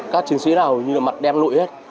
các chiến sĩ nào như là mặt đem lụi hết